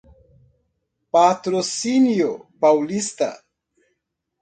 Patrocínio Paulista